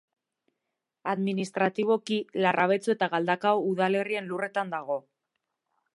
Administratiboki Larrabetzu eta Galdakao udalerrien lurretan dago.